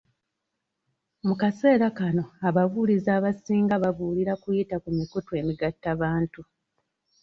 Mu kaseera kano, ababuulizi abasinga babuulirira kuyita ku mikutu emigatta bantu.